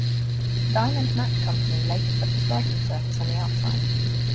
The diamond match company later put the striking surface on the outside.